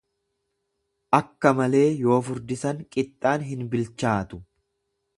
Akka malee yoo furdisan qixxaan hin bilchaatu.